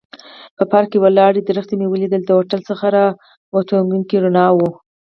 په پارک کې ولاړې ونې مې هم لیدلې، د هوټل څخه را وتونکو رڼاوو.